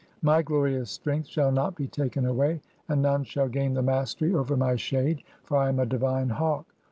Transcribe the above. My glorious strength shall not be taken away, (5) "and none shall gain the mastery over my shade, for I am a "divine hawk.